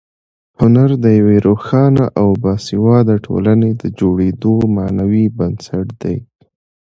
هنر د یوې روښانه او باسواده ټولنې د جوړېدو معنوي بنسټ دی.